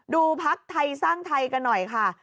พักไทยสร้างไทยกันหน่อยค่ะ